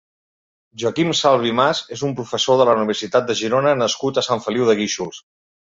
Joaquim Salvi Mas és un professor de la Universitat de Girona nascut a Sant Feliu de Guíxols.